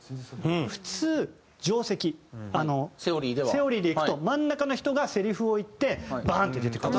セオリーでいくと真ん中の人がセリフを言ってバーンって出てくる。